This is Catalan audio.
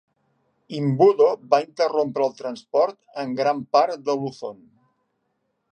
Imbudo va interrompre el transport en gran part de Luzon.